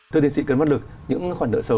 thưa tiến sĩ cấn mất lực những khoản nợ xấu